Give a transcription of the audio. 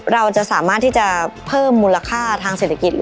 เราจะสามารถที่จะเพิ่มมูลค่าทางเศรษฐกิจ